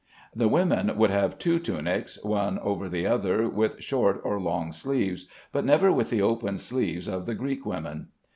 The women would have two tunics, one over the other, with short or long sleeves, but never with the open sleeves of the Greek women.